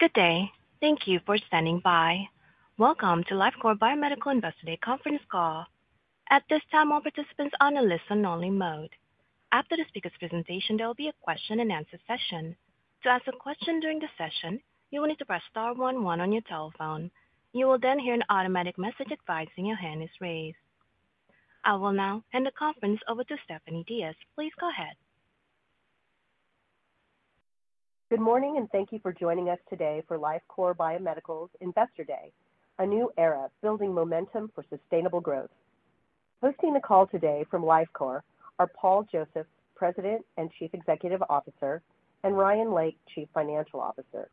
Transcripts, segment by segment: Good day, thank you for standing by. Welcome to Lifecore Biomedical Investor Conference Call. At this time, all participants are on a listen-only mode. After the speaker's presentation, there will be a question-and-answer session. To ask a question during the session, you will need to press star 11 on your telephone. You will then hear an automatic message advising your hand is raised. I will now hand the conference over to Stephanie Diaz. Please go ahead. Good morning, and thank you for joining us today for Lifecore Biomedical's Investor Day, a new era building momentum for sustainable growth. Hosting the call today from Lifecore are Paul Josephs, President and Chief Executive Officer, and Ryan Lake, Chief Financial Officer.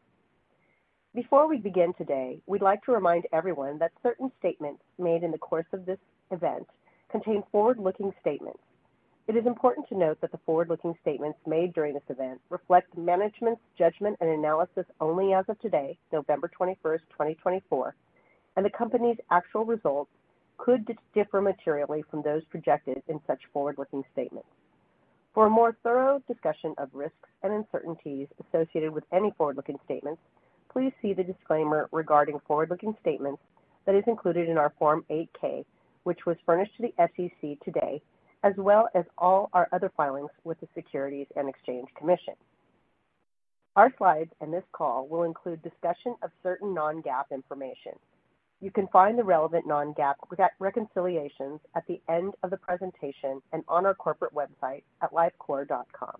Before we begin today, we'd like to remind everyone that certain statements made in the course of this event contain forward-looking statements. It is important to note that the forward-looking statements made during this event reflect management's judgment and analysis only as of today, November 21st, 2024, and the company's actual results could differ materially from those projected in such forward-looking statements. For a more thorough discussion of risks and uncertainties associated with any forward-looking statements, please see the disclaimer regarding forward-looking statements that is included in our Form 8-K, which was furnished to the SEC today, as well as all our other filings with the Securities and Exchange Commission. Our slides and this call will include discussion of certain non-GAAP information. You can find the relevant non-GAAP reconciliations at the end of the presentation and on our corporate website at lifecore.com.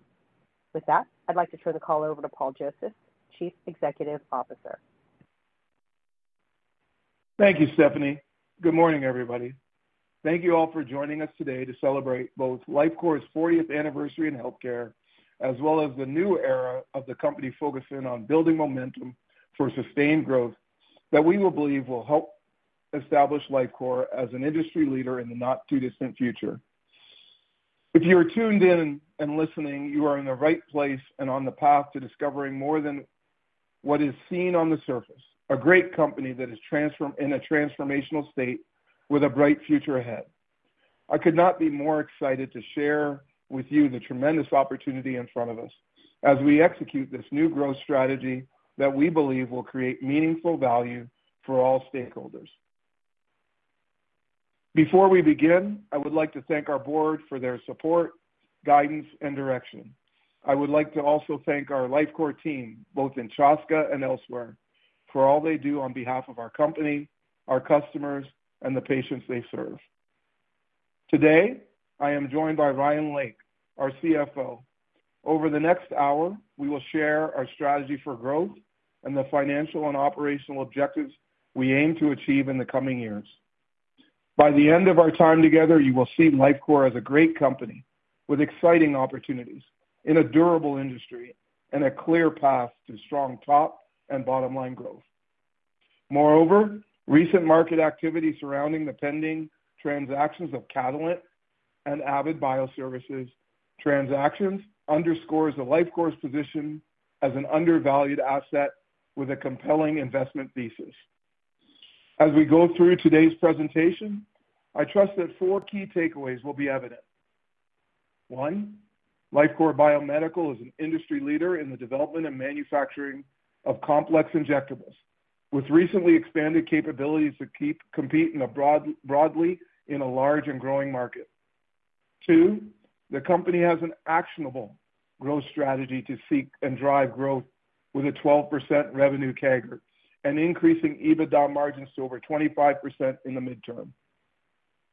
With that, I'd like to turn the call over to Paul Josephs, Chief Executive Officer. Thank you, Stephanie. Good morning, everybody. Thank you all for joining us today to celebrate both Lifecore's 40th anniversary in healthcare, as well as the new era of the company focusing on building momentum for sustained growth that we believe will help establish Lifecore as an industry leader in the not-too-distant future. If you are tuned in and listening, you are in the right place and on the path to discovering more than what is seen on the surface: a great company that is in a transformational state with a bright future ahead. I could not be more excited to share with you the tremendous opportunity in front of us as we execute this new growth strategy that we believe will create meaningful value for all stakeholders. Before we begin, I would like to thank our board for their support, guidance, and direction. I would like to also thank our Lifecore team, both in Chaska and elsewhere, for all they do on behalf of our company, our customers, and the patients they serve. Today, I am joined by Ryan Lake, our CFO. Over the next hour, we will share our strategy for growth and the financial and operational objectives we aim to achieve in the coming years. By the end of our time together, you will see Lifecore as a great company with exciting opportunities in a durable industry and a clear path to strong top and bottom-line growth. Moreover, recent market activity surrounding the pending transactions of Catalent and Avid Bioservices transactions underscores the Lifecore's position as an undervalued asset with a compelling investment thesis. As we go through today's presentation, I trust that four key takeaways will be evident. One, Lifecore Biomedical is an industry leader in the development and manufacturing of complex injectables, with recently expanded capabilities to compete broadly in a large and growing market. Two, the company has an actionable growth strategy to seek and drive growth with a 12% revenue CAGR and increasing EBITDA margins to over 25% in the midterm.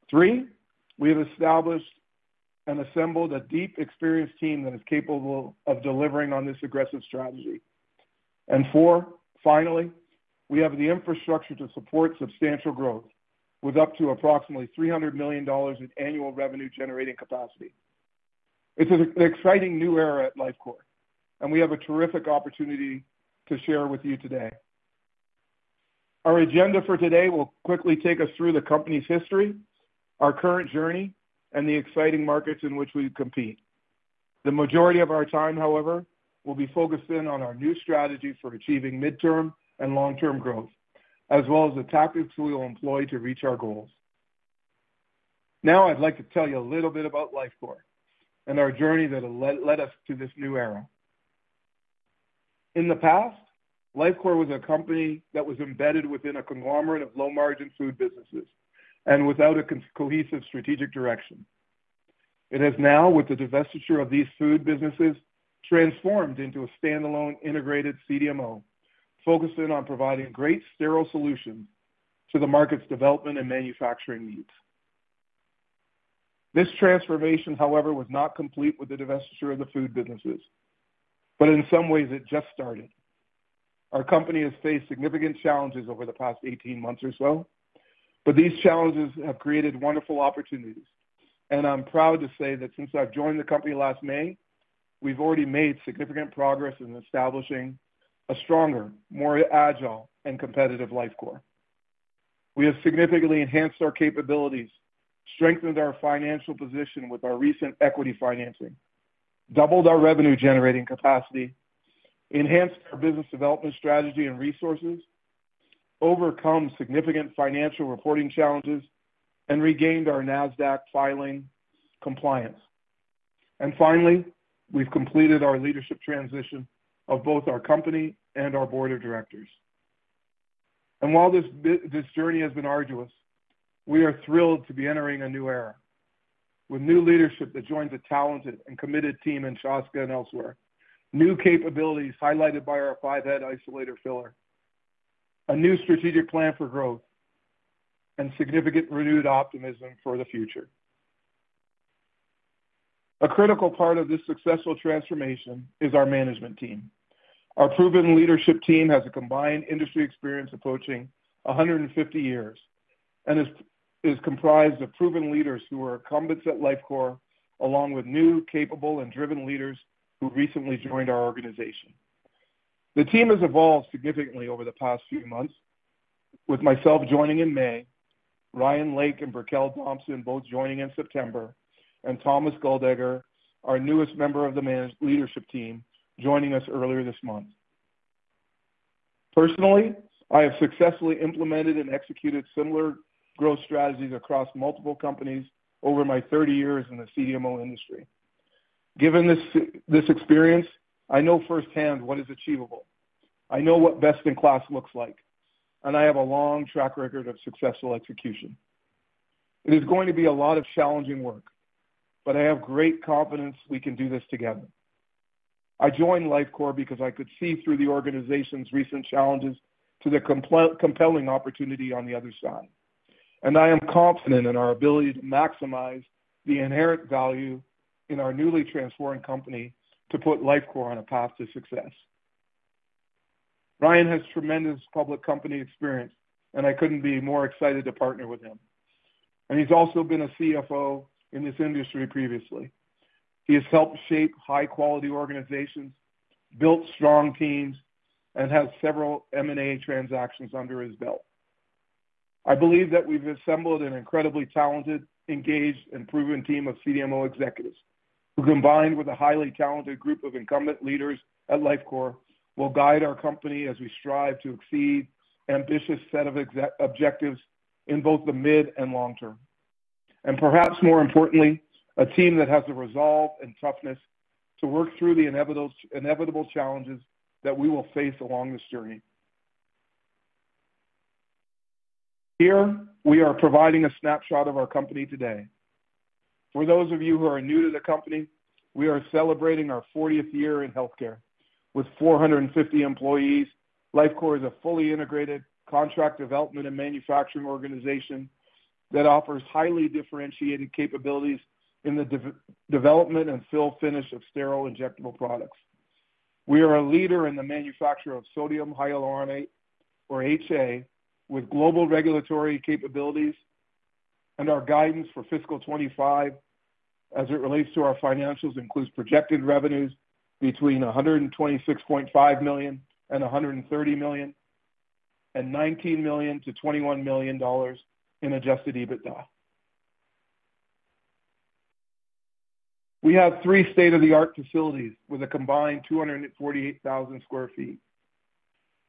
Three, we have established and assembled a deep, experienced team that is capable of delivering on this aggressive strategy. And four, finally, we have the infrastructure to support substantial growth with up to approximately $300 million in annual revenue-generating capacity. It's an exciting new era at Lifecore, and we have a terrific opportunity to share with you today. Our agenda for today will quickly take us through the company's history, our current journey, and the exciting markets in which we compete. The majority of our time, however, will be focused in on our new strategy for achieving midterm and long-term growth, as well as the tactics we will employ to reach our goals. Now, I'd like to tell you a little bit about Lifecore and our journey that led us to this new era. In the past, Lifecore was a company that was embedded within a conglomerate of low-margin food businesses and without a cohesive strategic direction. It has now, with the divestiture of these food businesses, transformed into a standalone integrated CDMO focusing on providing great sterile solutions to the market's development and manufacturing needs. This transformation, however, was not complete with the divestiture of the food businesses, but in some ways, it just started. Our company has faced significant challenges over the past 18 months or so, but these challenges have created wonderful opportunities, and I'm proud to say that since I've joined the company last May, we've already made significant progress in establishing a stronger, more agile, and competitive Lifecore. We have significantly enhanced our capabilities, strengthened our financial position with our recent equity financing, doubled our revenue-generating capacity, enhanced our business development strategy and resources, overcome significant financial reporting challenges, and regained our Nasdaq filing compliance. And finally, we've completed our leadership transition of both our company and our board of directors. While this journey has been arduous, we are thrilled to be entering a new era with new leadership that joins a talented and committed team in Chaska and elsewhere, new capabilities highlighted by our five-head isolator filler, a new strategic plan for growth, and significant renewed optimism for the future. A critical part of this successful transformation is our management team. Our proven leadership team has a combined industry experience approaching 150 years and is comprised of proven leaders who are incumbents at Lifecore, along with new, capable, and driven leaders who recently joined our organization. The team has evolved significantly over the past few months, with myself joining in May, Ryan Lake and Birsel Thompson both joining in September, and Thomas Goldegger, our newest member of the leadership team, joining us earlier this month. Personally, I have successfully implemented and executed similar growth strategies across multiple companies over my 30 years in the CDMO industry. Given this experience, I know firsthand what is achievable. I know what best-in-class looks like, and I have a long track record of successful execution. It is going to be a lot of challenging work, but I have great confidence we can do this together. I joined Lifecore because I could see through the organization's recent challenges to the compelling opportunity on the other side, and I am confident in our ability to maximize the inherent value in our newly transforming company to put Lifecore on a path to success. Ryan has tremendous public company experience, and I couldn't be more excited to partner with him. And he's also been a CFO in this industry previously. He has helped shape high-quality organizations, built strong teams, and has several M&A transactions under his belt. I believe that we've assembled an incredibly talented, engaged, and proven team of CDMO executives who, combined with a highly talented group of incumbent leaders at Lifecore, will guide our company as we strive to exceed ambitious set of objectives in both the mid and long term, and perhaps more importantly, a team that has the resolve and toughness to work through the inevitable challenges that we will face along this journey. Here, we are providing a snapshot of our company today. For those of you who are new to the company, we are celebrating our 40th year in healthcare. With 450 employees, Lifecore is a fully integrated contract development and manufacturing organization that offers highly differentiated capabilities in the development and fill finish of sterile injectable products. We are a leader in the manufacture of sodium hyaluronate, or HA, with global regulatory capabilities, and our guidance for fiscal 2025, as it relates to our financials, includes projected revenues between $126.5 million and $130 million, and $19 million to $21 million in adjusted EBITDA. We have three state-of-the-art facilities with a combined 248,000 sq ft,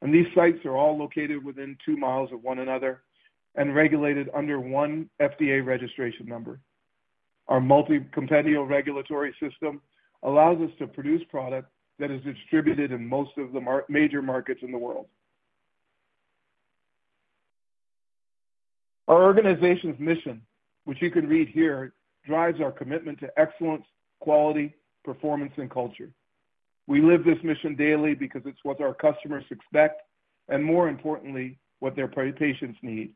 and these sites are all located within two miles of one another and regulated under one FDA registration number. Our multi-compendial regulatory system allows us to produce product that is distributed in most of the major markets in the world. Our organization's mission, which you can read here, drives our commitment to excellence, quality, performance, and culture. We live this mission daily because it's what our customers expect and, more importantly, what their patients need.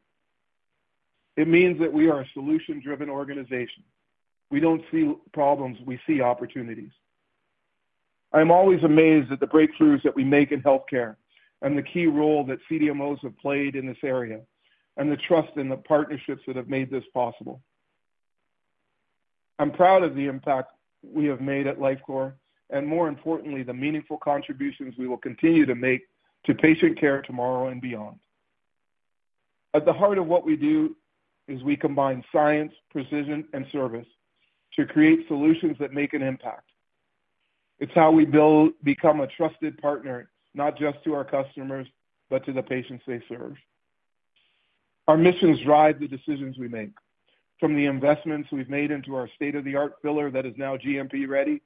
It means that we are a solution-driven organization. We don't see problems; we see opportunities. I am always amazed at the breakthroughs that we make in healthcare and the key role that CDMOs have played in this area and the trust in the partnerships that have made this possible. I'm proud of the impact we have made at Lifecore and, more importantly, the meaningful contributions we will continue to make to patient care tomorrow and beyond. At the heart of what we do is we combine science, precision, and service to create solutions that make an impact. It's how we become a trusted partner, not just to our customers, but to the patients they serve. Our missions drive the decisions we make, from the investments we've made into our state-of-the-art filler that is now GMP-ready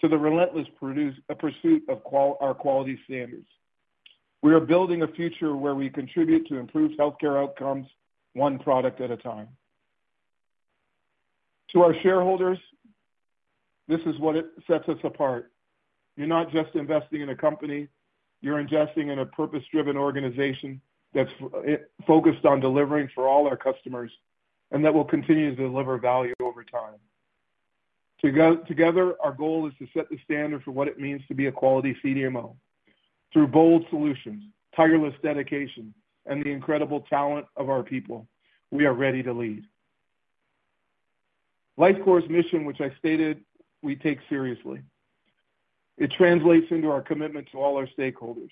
to the relentless pursuit of our quality standards. We are building a future where we contribute to improved healthcare outcomes, one product at a time. To our shareholders, this is what sets us apart. You're not just investing in a company. You're investing in a purpose-driven organization that's focused on delivering for all our customers and that will continue to deliver value over time. Together, our goal is to set the standard for what it means to be a quality CDMO. Through bold solutions, tireless dedication, and the incredible talent of our people, we are ready to lead. Lifecore's mission, which I stated, we take seriously. It translates into our commitment to all our stakeholders.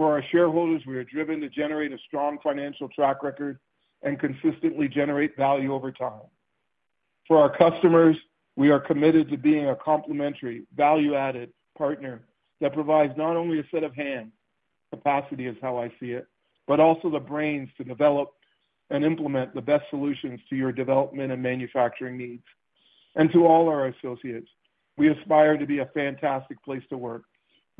For our shareholders, we are driven to generate a strong financial track record and consistently generate value over time. For our customers, we are committed to being a complementary, value-added partner that provides not only a set of hands - capacity is how I see it - but also the brains to develop and implement the best solutions to your development and manufacturing needs. To all our associates, we aspire to be a fantastic place to work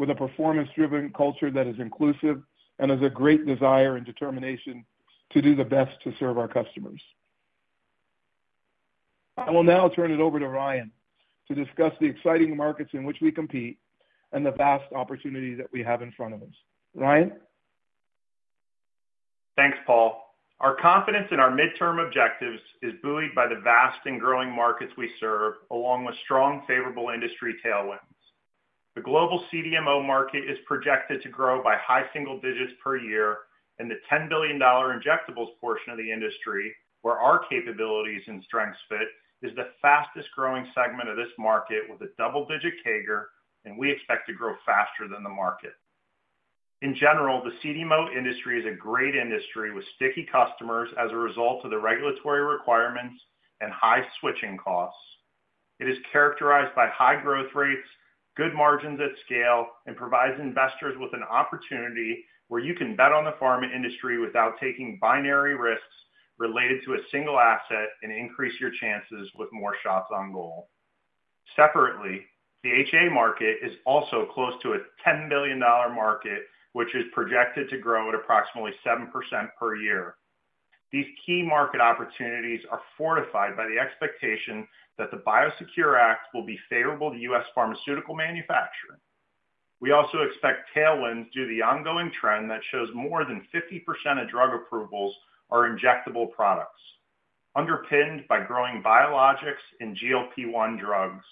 with a performance-driven culture that is inclusive and has a great desire and determination to do the best to serve our customers. I will now turn it over to Ryan to discuss the exciting markets in which we compete and the vast opportunity that we have in front of us. Ryan? Thanks, Paul. Our confidence in our midterm objectives is buoyed by the vast and growing markets we serve, along with strong, favorable industry tailwinds. The global CDMO market is projected to grow by high single digits per year, and the $10 billion injectables portion of the industry, where our capabilities and strengths fit, is the fastest-growing segment of this market with a double-digit CAGR, and we expect to grow faster than the market. In general, the CDMO industry is a great industry with sticky customers as a result of the regulatory requirements and high switching costs. It is characterized by high growth rates, good margins at scale, and provides investors with an opportunity where you can bet on the pharma industry without taking binary risks related to a single asset and increase your chances with more shots on goal. Separately, the HA market is also close to a $10 billion market, which is projected to grow at approximately 7% per year. These key market opportunities are fortified by the expectation that the Biosecure Act will be favorable to U.S. pharmaceutical manufacturing. We also expect tailwinds due to the ongoing trend that shows more than 50% of drug approvals are injectable products, underpinned by growing biologics and GLP-1 drugs.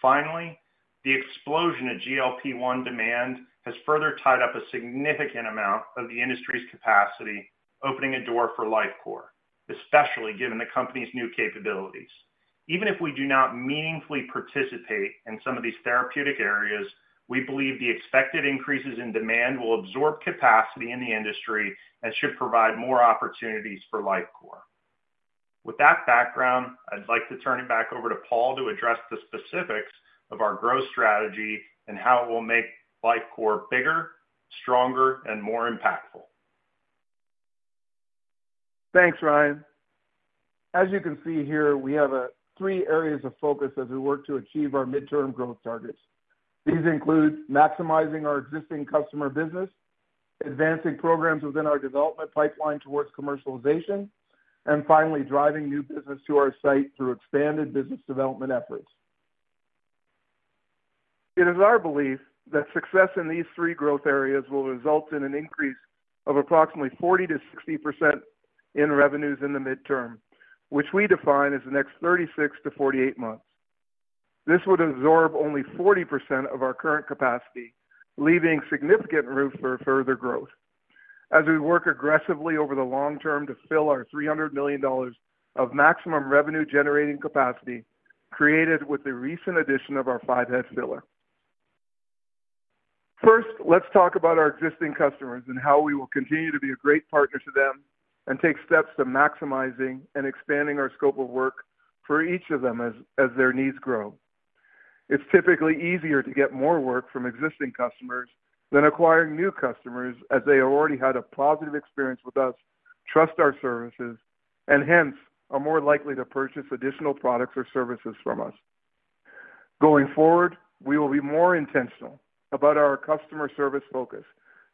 Finally, the explosion of GLP-1 demand has further tied up a significant amount of the industry's capacity, opening a door for Lifecore, especially given the company's new capabilities. Even if we do not meaningfully participate in some of these therapeutic areas, we believe the expected increases in demand will absorb capacity in the industry and should provide more opportunities for Lifecore. With that background, I'd like to turn it back over to Paul to address the specifics of our growth strategy and how it will make Lifecore bigger, stronger, and more impactful. Thanks, Ryan. As you can see here, we have three areas of focus as we work to achieve our midterm growth targets. These include maximizing our existing customer business, advancing programs within our development pipeline towards commercialization, and finally, driving new business to our site through expanded business development efforts. It is our belief that success in these three growth areas will result in an increase of approximately 40% to 60% in revenues in the midterm, which we define as the next 36 to 48 months. This would absorb only 40% of our current capacity, leaving significant room for further growth as we work aggressively over the long term to fill our $300 million of maximum revenue-generating capacity created with the recent addition of our five-head filler. First, let's talk about our existing customers and how we will continue to be a great partner to them and take steps to maximizing and expanding our scope of work for each of them as their needs grow. It's typically easier to get more work from existing customers than acquiring new customers as they have already had a positive experience with us, trust our services, and hence are more likely to purchase additional products or services from us. Going forward, we will be more intentional about our customer service focus,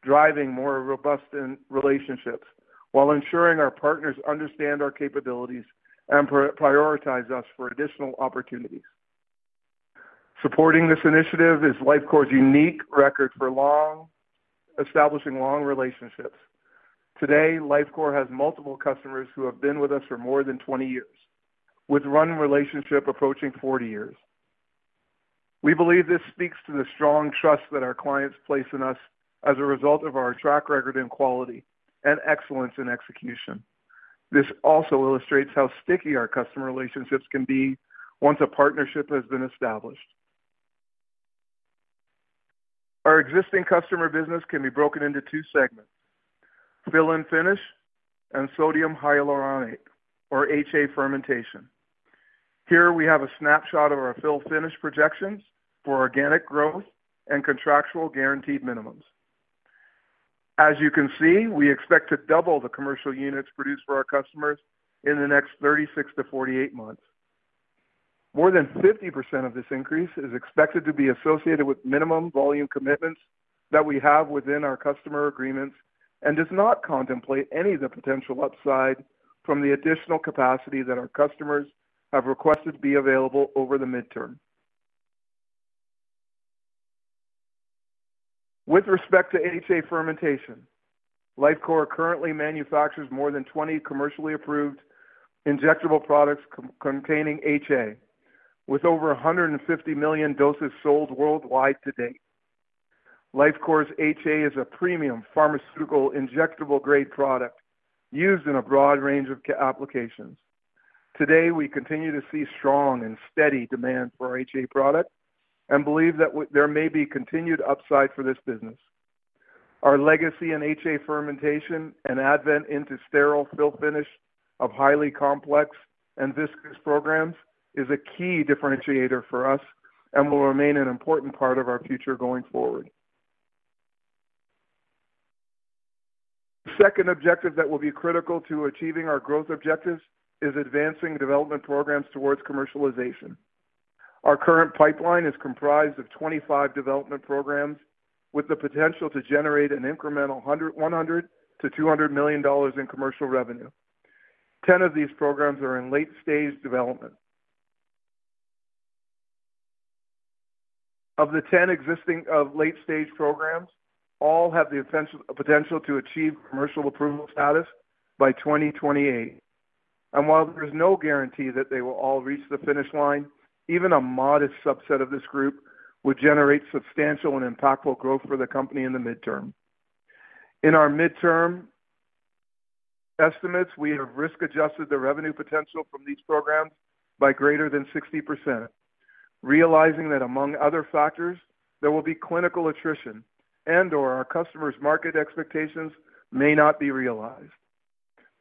driving more robust relationships while ensuring our partners understand our capabilities and prioritize us for additional opportunities. Supporting this initiative is Lifecore's unique record for establishing long relationships. Today, Lifecore has multiple customers who have been with us for more than 20 years, with running relationships approaching 40 years. We believe this speaks to the strong trust that our clients place in us as a result of our track record in quality and excellence in execution. This also illustrates how sticky our customer relationships can be once a partnership has been established. Our existing customer business can be broken into two segments: fill and finish and sodium hyaluronate, or HA fermentation. Here, we have a snapshot of our fill finish projections for organic growth and contractual guaranteed minimums. As you can see, we expect to double the commercial units produced for our customers in the next 36 to 48 months. More than 50% of this increase is expected to be associated with minimum volume commitments that we have within our customer agreements and does not contemplate any of the potential upside from the additional capacity that our customers have requested to be available over the midterm. With respect to HA fermentation, Lifecore currently manufactures more than 20 commercially approved injectable products containing HA, with over 150 million doses sold worldwide to date. Lifecore's HA is a premium pharmaceutical injectable-grade product used in a broad range of applications. Today, we continue to see strong and steady demand for our HA product and believe that there may be continued upside for this business. Our legacy in HA fermentation and advent into sterile fill finish of highly complex and viscous programs is a key differentiator for us and will remain an important part of our future going forward. The second objective that will be critical to achieving our growth objectives is advancing development programs towards commercialization. Our current pipeline is comprised of 25 development programs with the potential to generate an incremental $100 to $200 million in commercial revenue. 10 of these programs are in late-stage development. Of the 10 existing late-stage programs, all have the potential to achieve commercial approval status by 2028. While there is no guarantee that they will all reach the finish line, even a modest subset of this group would generate substantial and impactful growth for the company in the midterm. In our midterm estimates, we have risk-adjusted the revenue potential from these programs by greater than 60%, realizing that among other factors, there will be clinical attrition and/or our customers' market expectations may not be realized.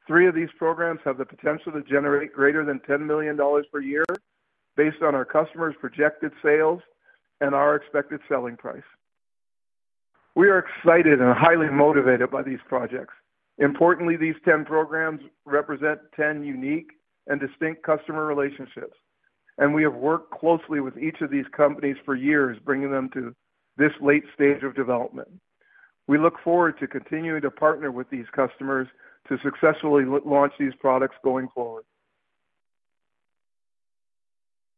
Three of these programs have the potential to generate greater than $10 million per year based on our customers' projected sales and our expected selling price. We are excited and highly motivated by these projects. Importantly, these 10 programs represent 10 unique and distinct customer relationships, and we have worked closely with each of these companies for years, bringing them to this late stage of development. We look forward to continuing to partner with these customers to successfully launch these products going forward.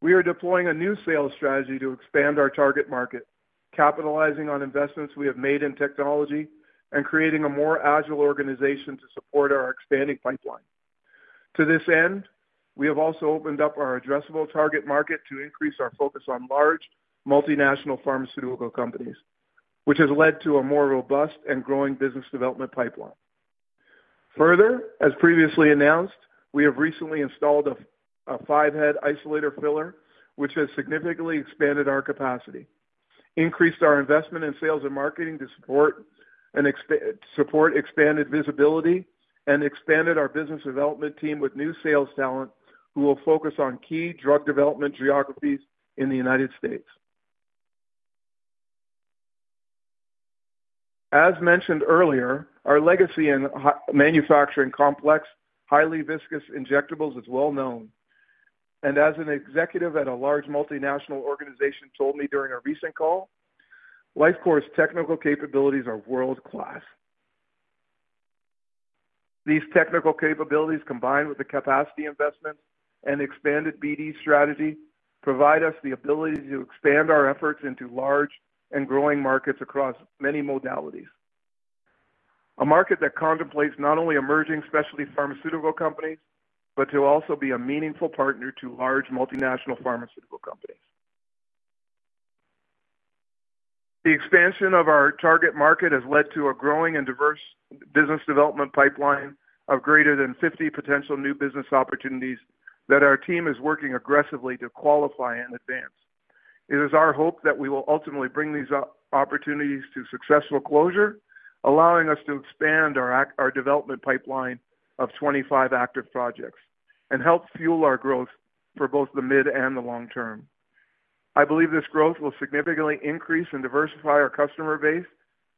We are deploying a new sales strategy to expand our target market, capitalizing on investments we have made in technology and creating a more agile organization to support our expanding pipeline. To this end, we have also opened up our addressable target market to increase our focus on large multinational pharmaceutical companies, which has led to a more robust and growing business development pipeline. Further, as previously announced, we have recently installed a five-head isolator filler, which has significantly expanded our capacity, increased our investment in sales and marketing to support expanded visibility, and expanded our business development team with new sales talent who will focus on key drug development geographies in the United States. As mentioned earlier, our legacy in manufacturing complex, highly viscous injectables is well known. As an executive at a large multinational organization told me during a recent call, Lifecore's technical capabilities are world-class. These technical capabilities, combined with the capacity investments and expanded BD strategy, provide us the ability to expand our efforts into large and growing markets across many modalities. A market that contemplates not only emerging specialty pharmaceutical companies but to also be a meaningful partner to large multinational pharmaceutical companies. The expansion of our target market has led to a growing and diverse business development pipeline of greater than 50 potential new business opportunities that our team is working aggressively to qualify and advance. It is our hope that we will ultimately bring these opportunities to successful closure, allowing us to expand our development pipeline of 25 active projects and help fuel our growth for both the mid and the long term. I believe this growth will significantly increase and diversify our customer base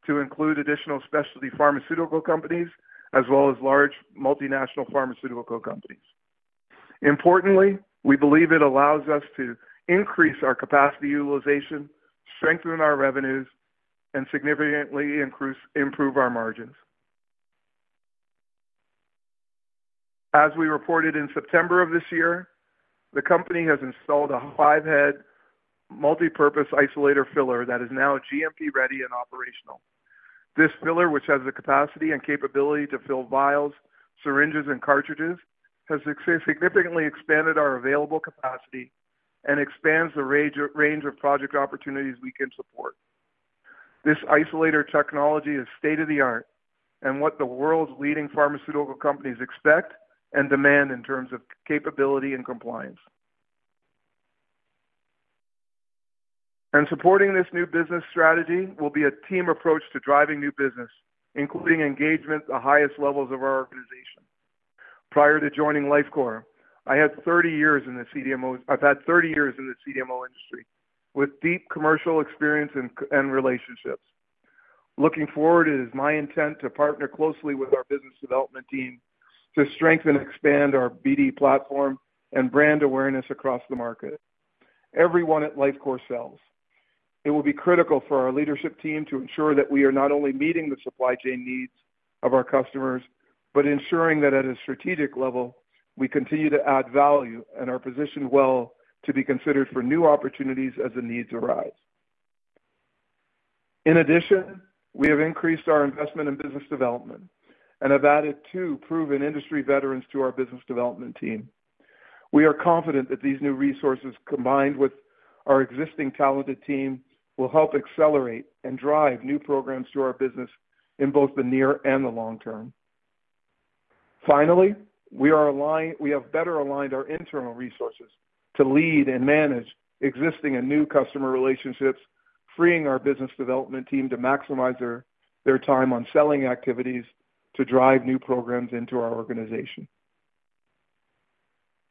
to include additional specialty pharmaceutical companies as well as large multinational pharmaceutical companies. Importantly, we believe it allows us to increase our capacity utilization, strengthen our revenues, and significantly improve our margins. As we reported in September of this year, the company has installed a five-head multipurpose isolator filler that is now GMP-ready and operational. This filler, which has the capacity and capability to fill vials, syringes, and cartridges, has significantly expanded our available capacity and expands the range of project opportunities we can support. This isolator technology is state-of-the-art and what the world's leading pharmaceutical companies expect and demand in terms of capability and compliance. In supporting this new business strategy, we'll be a team approach to driving new business, including engagement at the highest levels of our organization. Prior to joining Lifecore, I had 30 years in the CDMO. I've had 30 years in the CDMO industry with deep commercial experience and relationships. Looking forward, it is my intent to partner closely with our business development team to strengthen and expand our BD platform and brand awareness across the market. Everyone at Lifecore sells. It will be critical for our leadership team to ensure that we are not only meeting the supply chain needs of our customers but ensuring that at a strategic level, we continue to add value and are positioned well to be considered for new opportunities as the needs arise. In addition, we have increased our investment in business development and have added two proven industry veterans to our business development team. We are confident that these new resources, combined with our existing talented team, will help accelerate and drive new programs to our business in both the near and the long term. Finally, we have better aligned our internal resources to lead and manage existing and new customer relationships, freeing our business development team to maximize their time on selling activities to drive new programs into our organization.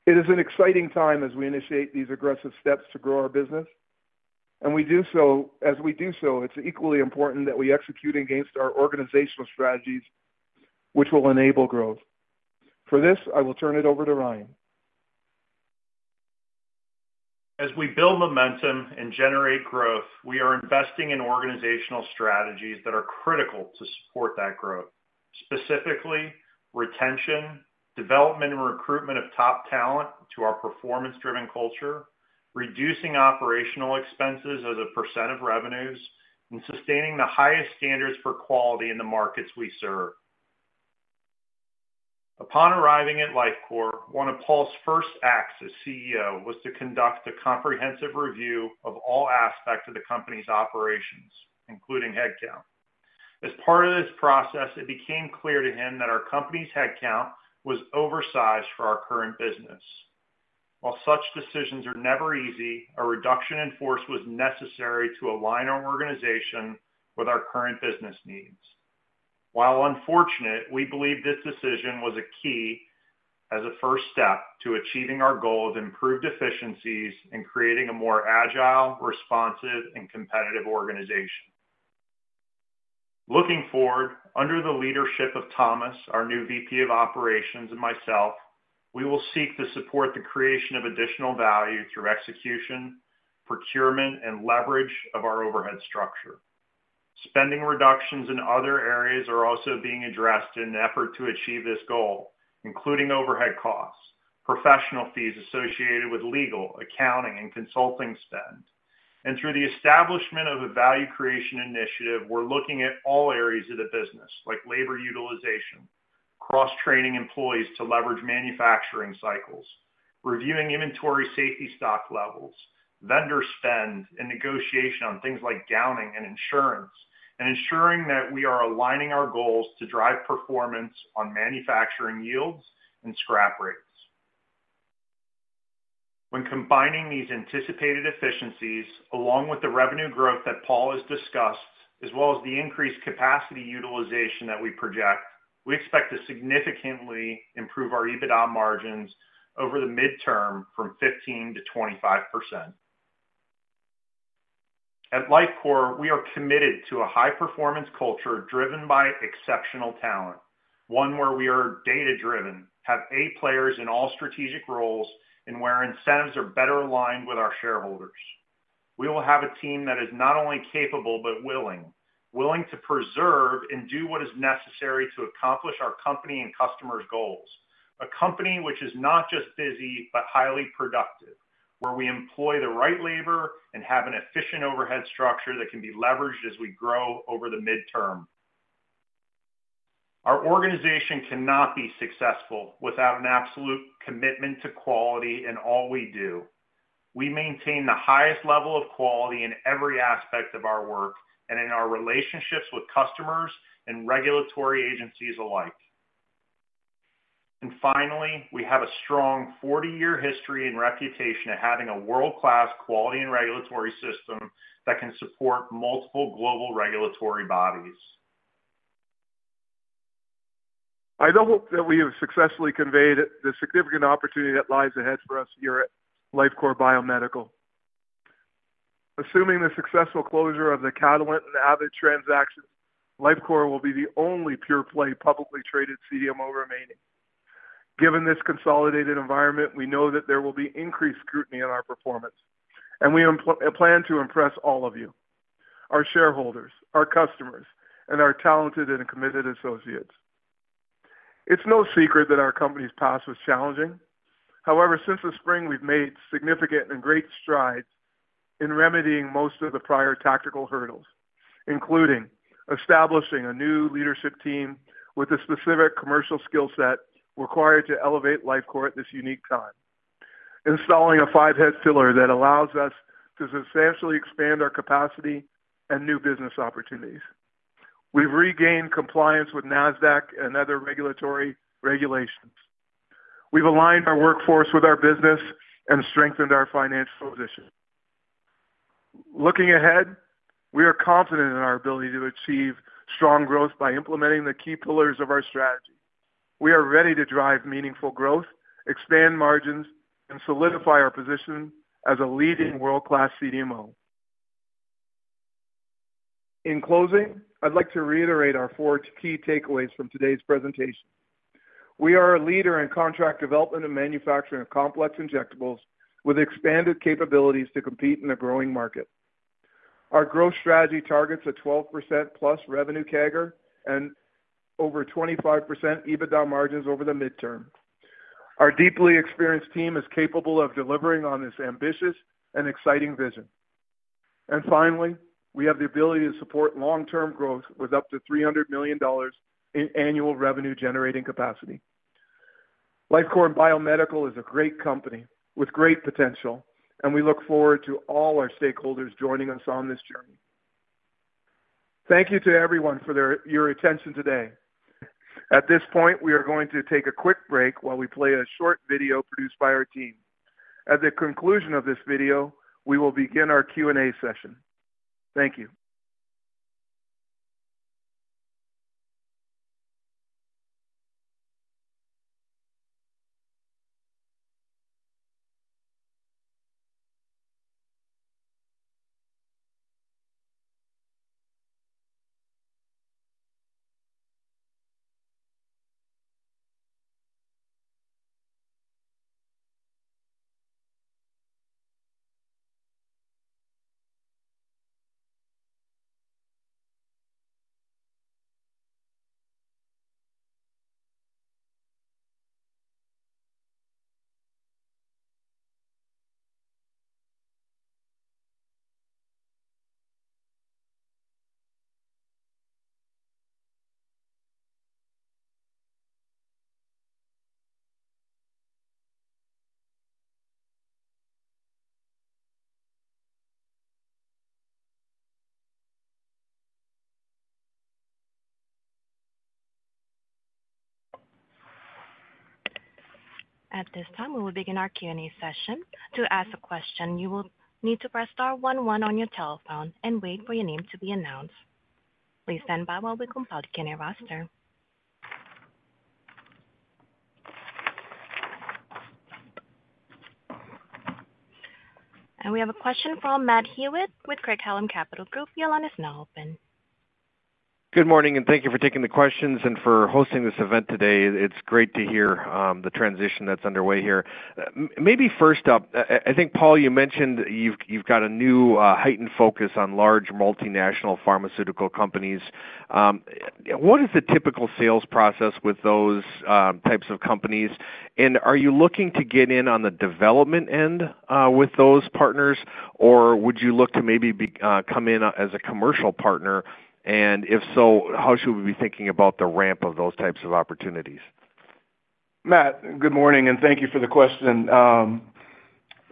It is an exciting time as we initiate these aggressive steps to grow our business. As we do so, it's equally important that we execute against our organizational strategies, which will enable growth. For this, I will turn it over to Ryan. As we build momentum and generate growth, we are investing in organizational strategies that are critical to support that growth, specifically retention, development, and recruitment of top talent to our performance-driven culture, reducing operational expenses as a percent of revenues, and sustaining the highest standards for quality in the markets we serve. Upon arriving at Lifecore, one of Paul's first acts as CEO was to conduct a comprehensive review of all aspects of the company's operations, including headcount. As part of this process, it became clear to him that our company's headcount was oversized for our current business. While such decisions are never easy, a reduction in force was necessary to align our organization with our current business needs. While unfortunate, we believe this decision was a key, as a first step to achieving our goal of improved efficiencies and creating a more agile, responsive, and competitive organization. Looking forward, under the leadership of Thomas, our new VP of Operations, and myself, we will seek to support the creation of additional value through execution, procurement, and leverage of our overhead structure. Spending reductions in other areas are also being addressed in an effort to achieve this goal, including overhead costs, professional fees associated with legal, accounting, and consulting spend, and through the establishment of a Value Creation Initiative, we're looking at all areas of the business, like labor utilization, cross-training employees to leverage manufacturing cycles, reviewing inventory safety stock levels, vendor spend, and negotiation on things like gowning and insurance, and ensuring that we are aligning our goals to drive performance on manufacturing yields and scrap rates. When combining these anticipated efficiencies along with the revenue growth that Paul has discussed, as well as the increased capacity utilization that we project, we expect to significantly improve our EBITDA margins over the midterm from 15% to 25%. At Lifecore, we are committed to a high-performance culture driven by exceptional talent, one where we are data-driven, have eight players in all strategic roles, and where incentives are better aligned with our shareholders. We will have a team that is not only capable but willing to persevere and do what is necessary to accomplish our company and customers' goals, a company which is not just busy but highly productive, where we employ the right labor and have an efficient overhead structure that can be leveraged as we grow over the midterm. Our organization cannot be successful without an absolute commitment to quality in all we do. We maintain the highest level of quality in every aspect of our work and in our relationships with customers and regulatory agencies alike. Finally, we have a strong 40-year history and reputation of having a world-class quality and regulatory system that can support multiple global regulatory bodies. I do hope that we have successfully conveyed the significant opportunity that lies ahead for us here at Lifecore Biomedical. Assuming the successful closure of the Catalent and Avid transactions, Lifecore will be the only pure-play publicly traded CDMO remaining. Given this consolidated environment, we know that there will be increased scrutiny on our performance, and we plan to impress all of you: our shareholders, our customers, and our talented and committed associates. It's no secret that our company's past was challenging. However, since the spring, we've made significant and great strides in remedying most of the prior tactical hurdles, including establishing a new leadership team with a specific commercial skill set required to elevate Lifecore at this unique time, installing a five-head filler that allows us to substantially expand our capacity and new business opportunities. We've regained compliance with Nasdaq and other regulatory regulations. We've aligned our workforce with our business and strengthened our financial position. Looking ahead, we are confident in our ability to achieve strong growth by implementing the key pillars of our strategy. We are ready to drive meaningful growth, expand margins, and solidify our position as a leading world-class CDMO. In closing, I'd like to reiterate our four key takeaways from today's presentation. We are a leader in contract development and manufacturing of complex injectables with expanded capabilities to compete in a growing market. Our growth strategy targets a 12%+ revenue CAGR and over 25% EBITDA margins over the midterm. Our deeply experienced team is capable of delivering on this ambitious and exciting vision. And finally, we have the ability to support long-term growth with up to $300 million in annual revenue-generating capacity. Lifecore Biomedical is a great company with great potential, and we look forward to all our stakeholders joining us on this journey. Thank you to everyone for your attention today. At this point, we are going to take a quick break while we play a short video produced by our team. At the conclusion of this video, we will begin our Q&A session. Thank you. At this time, we will begin our Q&A session. To ask a question, you will need to press star one one on your telephone and wait for your name to be announced. Please stand by while we compile the Q&A roster. And we have a question from Matthew Hewitt with Craig-Hallum Capital Group. Your line is now open. Good morning, and thank you for taking the questions and for hosting this event today. It's great to hear the transition that's underway here. Maybe first up, I think Paul, you mentioned you've got a new heightened focus on large multinational pharmaceutical companies. What is the typical sales process with those types of companies? And are you looking to get in on the development end with those partners, or would you look to maybe come in as a commercial partner? And if so, how should we be thinking about the ramp of those types of opportunities? Matt, good morning, and thank you for the question.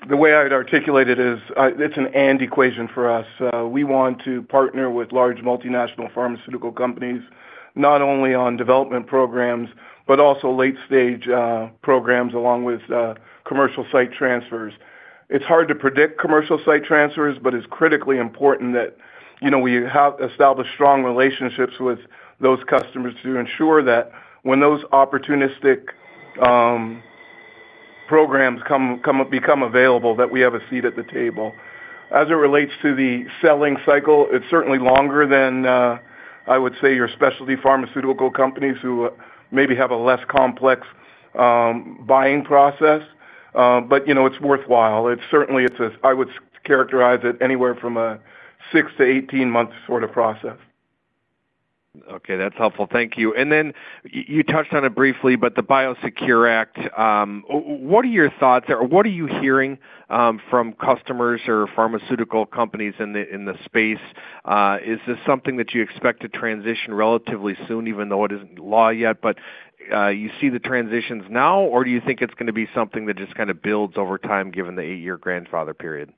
The way I'd articulate it is it's an and equation for us. We want to partner with large multinational pharmaceutical companies not only on development programs but also late-stage programs along with commercial site transfers. It's hard to predict commercial site transfers, but it's critically important that we establish strong relationships with those customers to ensure that when those opportunistic programs become available, that we have a seat at the table. As it relates to the selling cycle, it's certainly longer than I would say your specialty pharmaceutical companies who maybe have a less complex buying process, but it's worthwhile. Certainly, I would characterize it anywhere from a six to 18-month sort of process. Okay. That's helpful. Thank you. And then you touched on it briefly, but the Biosecure Act. What are your thoughts? Or what are you hearing from customers or pharmaceutical companies in the space? Is this something that you expect to transition relatively soon, even though it isn't law yet, but you see the transitions now, or do you think it's going to be something that just kind of builds over time given the eight-year grandfather period?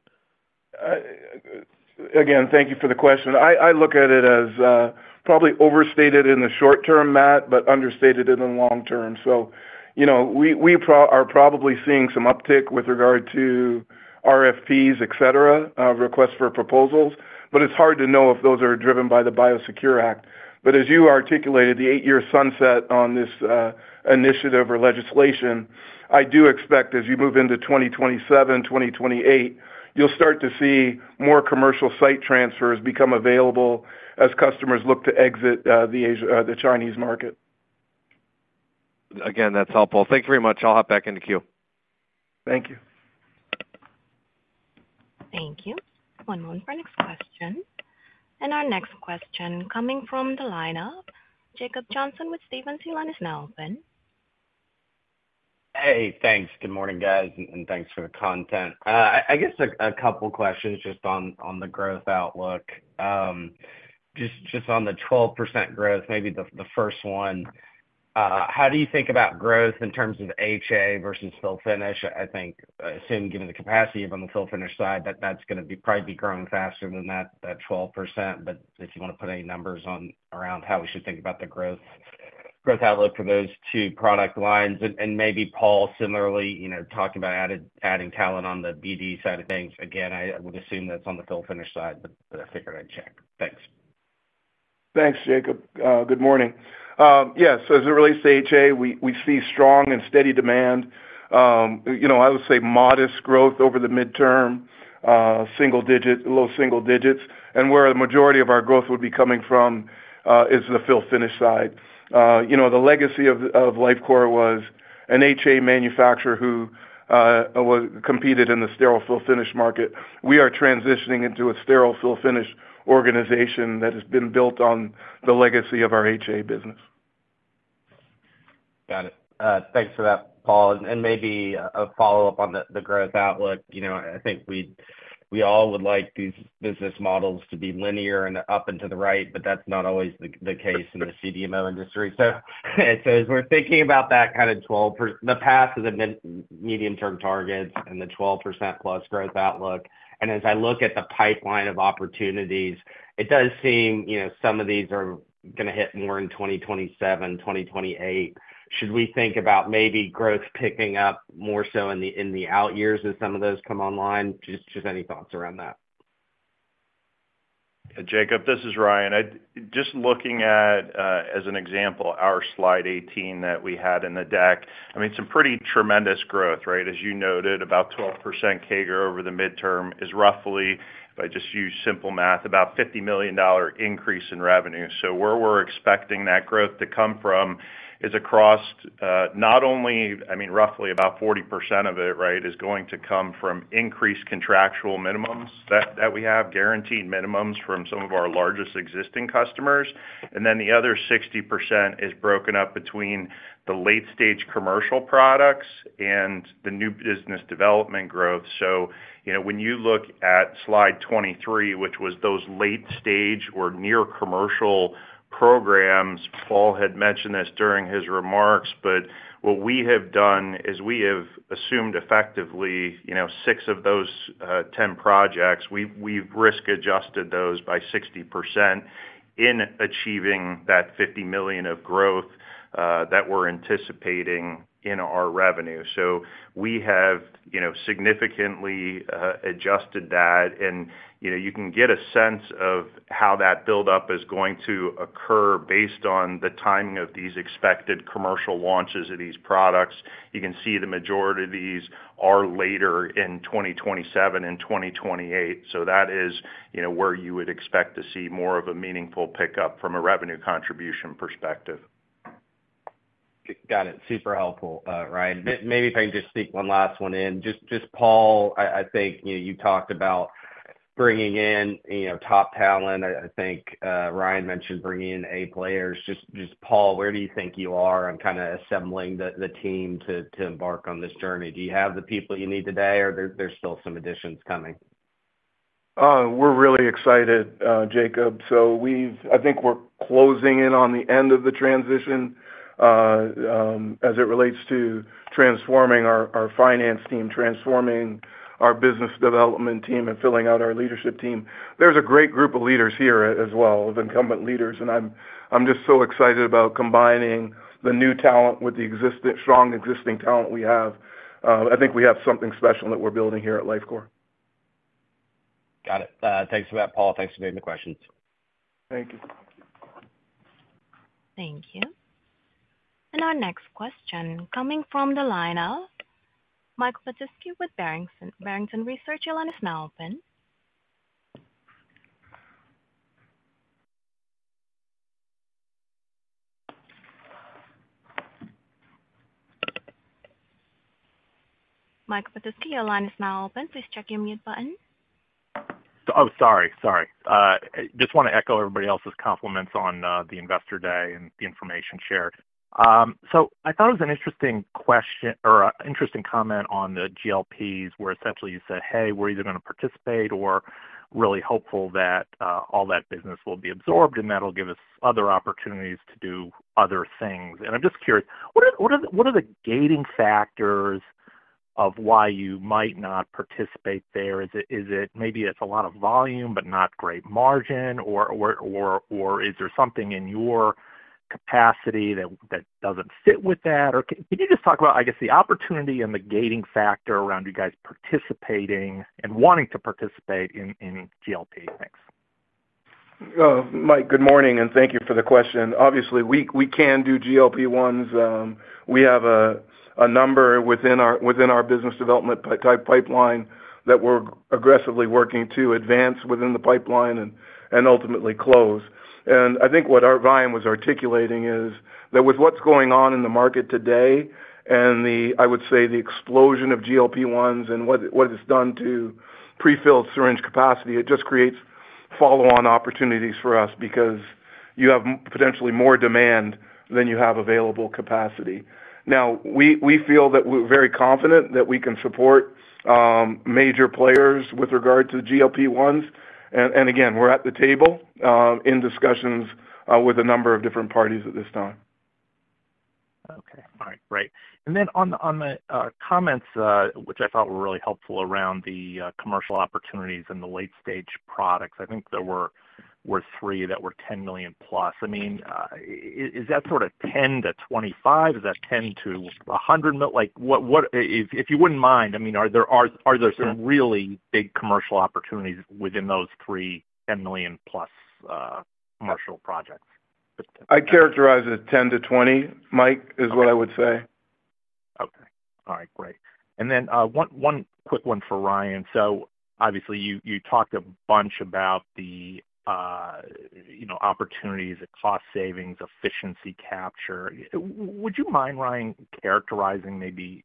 Again, thank you for the question. I look at it as probably overstated in the short term, Matt, but understated in the long term, so we are probably seeing some uptick with regard to RFPs, etc., requests for proposals, but it's hard to know if those are driven by the Biosecure Act, but as you articulated, the eight-year sunset on this initiative or legislation, I do expect as you move into 2027, 2028, you'll start to see more commercial site transfers become available as customers look to exit the Chinese market. Again, that's helpful. Thank you very much. I'll hop back into queue. Thank you. Thank you. One moment for our next question. And our next question coming from the lineup, Jacob Johnson with Stephens. Your line is now open. Hey, thanks. Good morning, guys, and thanks for the content. I guess a couple of questions just on the growth outlook. Just on the 12% growth, maybe the first one, how do you think about growth in terms of HA versus Fill/Finish? I assume given the capacity on the Fill/Finish side, that that's going to probably be growing faster than that 12%. But if you want to put any numbers around how we should think about the growth outlook for those two product lines. And maybe Paul, similarly, talking about adding talent on the BD side of things. Again, I would assume that's on the Fill/Finish side, but I figured I'd check. Thanks. Thanks, Jacob. Good morning. Yes. As it relates to HA, we see strong and steady demand. I would say modest growth over the midterm, low single digits, and where the majority of our growth would be coming from is the Fill/Finish side. The legacy of Lifecore was an HA manufacturer who competed in the sterile Fill/Finish market. We are transitioning into a sterile Fill/Finish organization that has been built on the legacy of our HA business. Got it. Thanks for that, Paul, and maybe a follow-up on the growth outlook. I think we all would like these business models to be linear and up and to the right, but that's not always the case in the CDMO industry, so as we're thinking about that kind of 12%, the path to the medium-term targets and the 12%+ growth outlook. As I look at the pipeline of opportunities, it does seem some of these are going to hit more in 2027, 2028. Should we think about maybe growth picking up more so in the out years as some of those come online? Just any thoughts around that? Jacob, this is Ryan. Just looking at, as an example, our slide 18 that we had in the deck, I mean, some pretty tremendous growth, right? As you noted, about 12% CAGR over the midterm is roughly, if I just use simple math, about a $50 million increase in revenue. So where we're expecting that growth to come from is across not only, I mean, roughly about 40% of it, right, is going to come from increased contractual minimums that we have, guaranteed minimums from some of our largest existing customers. Then the other 60% is broken up between the late-stage commercial products and the new business development growth. So when you look at slide 23, which was those late-stage or near-commercial programs, Paul had mentioned this during his remarks, but what we have done is we have assumed effectively six of those 10 projects. We've risk-adjusted those by 60% in achieving that $50 million of growth that we're anticipating in our revenue. So we have significantly adjusted that. And you can get a sense of how that buildup is going to occur based on the timing of these expected commercial launches of these products. You can see the majority of these are later in 2027 and 2028. So that is where you would expect to see more of a meaningful pickup from a revenue contribution perspective. Got it. Super helpful, Ryan. Maybe if I can just stick one last one in. Just Paul, I think you talked about bringing in top talent. I think Ryan mentioned bringing in A-players. Just Paul, where do you think you are on kind of assembling the team to embark on this journey? Do you have the people you need today, or there's still some additions coming? We're really excited, Jacob, so I think we're closing in on the end of the transition as it relates to transforming our finance team, transforming our business development team, and filling out our leadership team. There's a great group of leaders here as well, of incumbent leaders, and I'm just so excited about combining the new talent with the strong existing talent we have. I think we have something special that we're building here at Lifecore. Got it. Thanks for that, Paul. Thanks for getting the questions. Thank you. Thank you. And our next question, coming from the lineup, Michael Petusky with Barrington Research. Your line ss now open. Michael Petusky, Your line is now open. Please check your mute button. Oh, sorry. Sorry. Just want to echo everybody else's compliments on the investor day and the information shared. So I thought it was an interesting question or an interesting comment on the GLPs where essentially you said, "Hey, we're either going to participate or really hopeful that all that business will be absorbed, and that'll give us other opportunities to do other things." And I'm just curious, what are the gating factors of why you might not participate there? Is it maybe it's a lot of volume but not great margin, or is there something in your capacity that doesn't fit with that? Or can you just talk about, I guess, the opportunity and the gating factor around you guys participating and wanting to participate in GLP-1? Thanks. Mike, good morning, and thank you for the question. Obviously, we can do GLP-1s. We have a number within our business development type pipeline that we're aggressively working to advance within the pipeline and ultimately close. And I think what our V.P. was articulating is that with what's going on in the market today and, I would say, the explosion of GLP-1s and what it's done to prefilled syringe capacity, it just creates follow-on opportunities for us because you have potentially more demand than you have available capacity. Now, we feel that we're very confident that we can support major players with regard to GLP-1s. And again, we're at the table in discussions with a number of different parties at this time. Okay. All right. Great. And then on the comments, which I thought were really helpful around the commercial opportunities and the late-stage products, I think there were three that were $10 million+. I mean, is that sort of $10 to 25? Is that $10 to $100 million? If you wouldn't mind, I mean, are there some really big commercial opportunities within those three $10 million+ commercial projects? I'd characterize it as $10 to $20, Mike, is what I would say. Okay. All right. Great. And then one quick one for Ryan. So obviously, you talked a bunch about the opportunities, the cost savings, efficiency capture. Would you mind, Ryan, characterizing maybe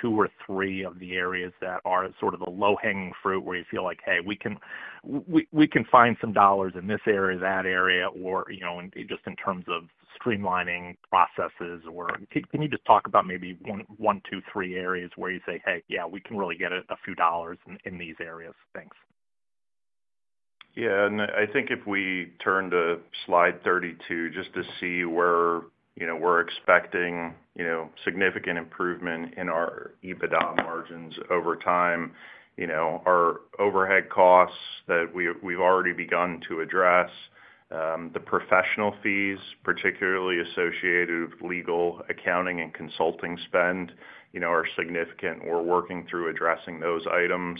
two or three of the areas that are sort of the low-hanging fruit where you feel like, "Hey, we can find some dollars in this area, that area," or just in terms of streamlining processes? Or can you just talk about maybe one, two, three areas where you say, "Hey, yeah, we can really get a few dollars in these areas"? Thanks. Yeah, and I think if we turn to Slide 32 just to see where we're expecting significant improvement in our EBITDA margins over time. Our overhead costs that we've already begun to address, the professional fees, particularly associated with legal, accounting, and consulting spend are significant. We're working through addressing those items.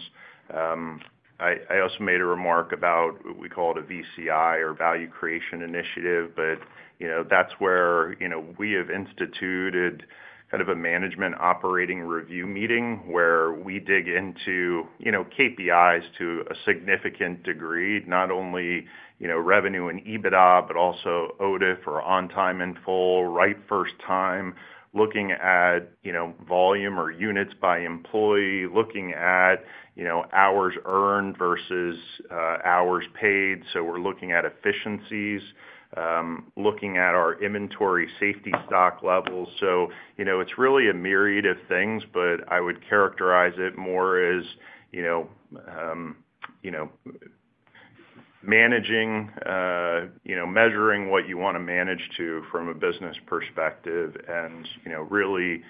I also made a remark about what we call a VCI or Value Creation Initiative, but that's where we have instituted kind of a management operating review meeting where we dig into KPIs to a significant degree, not only revenue and EBITDA but also OTIF or on-time in-full, right first time, looking at volume or units by employee, looking at hours earned versus hours paid. So we're looking at efficiencies, looking at our inventory safety stock levels. So it's really a myriad of things, but I would characterize it more as managing, measuring what you want to manage to from a business perspective, and really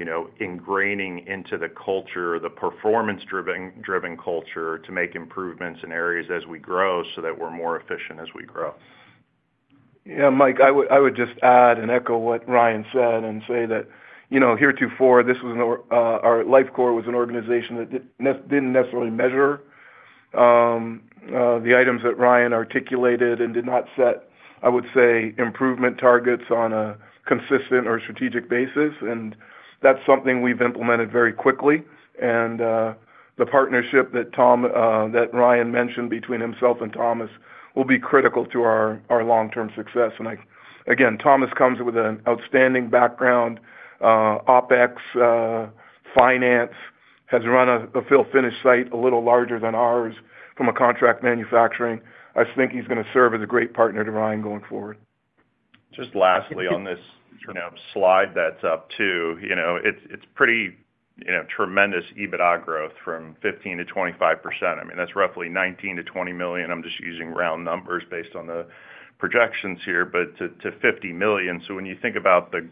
ingraining into the culture, the performance-driven culture to make improvements in areas as we grow so that we're more efficient as we grow. Yeah. Mike, I would just add and echo what Ryan said and say that heretofore, our Lifecore was an organization that didn't necessarily measure the items that Ryan articulated and did not set, I would say, improvement targets on a consistent or strategic basis. And that's something we've implemented very quickly. And the partnership that Ryan mentioned between himself and Thomas will be critical to our long-term success. Again, Thomas comes with an outstanding background, OpEx, finance, has run a fill-finish site a little larger than ours from a contract manufacturing. I think he's going to serve as a great partner to Ryan going forward. Just lastly on this slide that's up too, it's pretty tremendous EBITDA growth from 15% to 25%. I mean, that's roughly $19 million to $20 million. I'm just using round numbers based on the projections here, but to $50 million. So when you think about the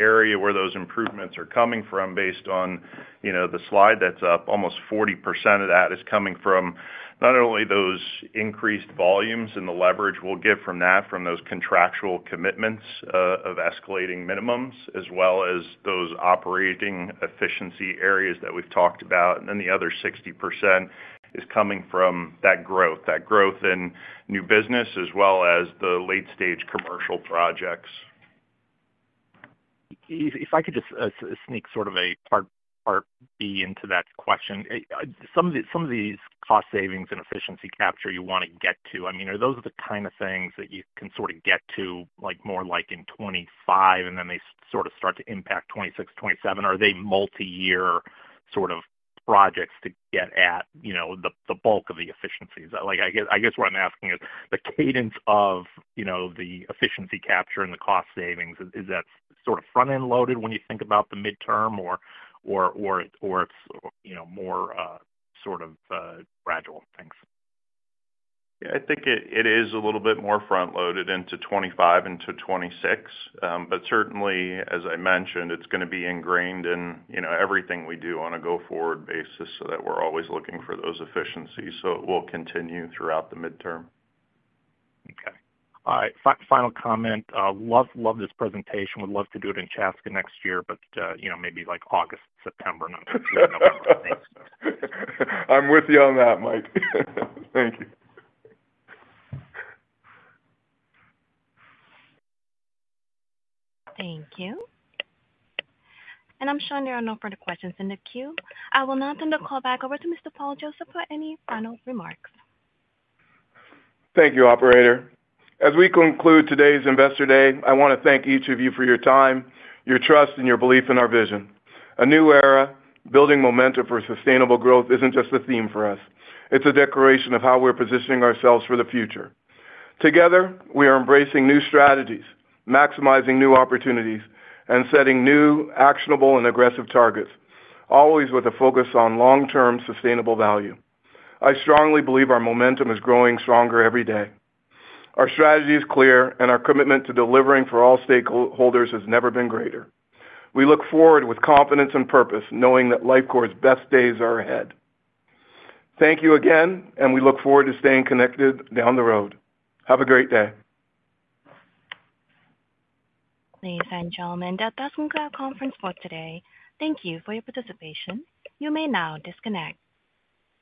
area where those improvements are coming from, based on the slide that's up, almost 40% of that is coming from not only those increased volumes and the leverage we'll get from that from those contractual commitments of escalating minimums, as well as those operating efficiency areas that we've talked about. And then the other 60% is coming from that growth, that growth in new business, as well as the late-stage commercial projects. If I could just sneak sort of a Part B into that question, some of these cost savings and efficiency capture you want to get to, I mean, are those the kind of things that you can sort of get to more like in 2025, and then they sort of start to impact 2026, 2027? Are they multi-year sort of projects to get at the bulk of the efficiencies? I guess what I'm asking is the cadence of the efficiency capture and the cost savings, is that sort of front-end loaded when you think about the midterm, or it's more sort of gradual things? Yeah. I think it is a little bit more front-loaded into 2025 into 2026. But certainly, as I mentioned, it's going to be ingrained in everything we do on a go-forward basis so that we're always looking for those efficiencies so it will continue throughout the midterm. Okay. All right. Final comment. Love this presentation. Would love to do it in Chaska next year, but maybe like August, September, November. Thanks. I'm with you on that, Mike. Thank you. Thank you. And I'm showing there are no further questions in the queue. I will now turn the call back over to Mr. Paul Josephs for any final remarks. Thank you, Operator. As we conclude today's Investor Day, I want to thank each of you for your time, your trust, and your belief in our vision. A new era, building momentum for sustainable growth isn't just a theme for us. It's a declaration of how we're positioning ourselves for the future. Together, we are embracing new strategies, maximizing new opportunities, and setting new, actionable, and aggressive targets, always with a focus on long-term sustainable value. I strongly believe our momentum is growing stronger every day. Our strategy is clear, and our commitment to delivering for all stakeholders has never been greater. We look forward with confidence and purpose, knowing that Lifecore's best days are ahead. Thank you again, and we look forward to staying connected down the road. Have a great day. Ladies and gentlemen, that does conclude our conference for today. Thank you for your participation. You may now disconnect.